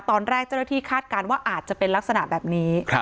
ตอนแรกเจ้าหน้าที่คาดการณ์ว่าอาจจะเป็นลักษณะแบบนี้